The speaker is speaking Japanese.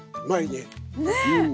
ねえ！